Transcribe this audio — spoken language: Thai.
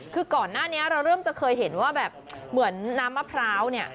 คือก่อนหน้านี้เราเริ่มจะเคยเห็นว่าแบบเหมือนน้ำมะพร้าวเนี่ย